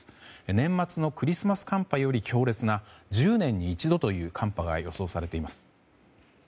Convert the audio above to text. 年末のクリスマス寒波より強烈な１０年に一度という寒波が予想されています。